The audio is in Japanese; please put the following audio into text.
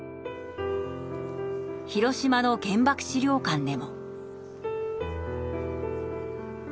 広島の原爆資料館でも。